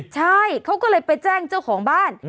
ใช่เขาก็เลยไปแจ้งเจ้าของบ้าน